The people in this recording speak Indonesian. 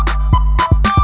kau mau kemana